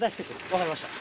分かりました。